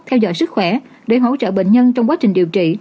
theo dõi sức khỏe để hỗ trợ bệnh nhân trong quá trình điều trị